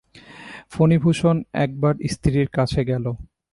ফণিভূষণ একবার স্ত্রীর কাছে গেল।